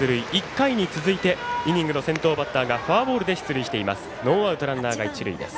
１回に続いてイニングの先頭バッターがフォアボールで出塁しています。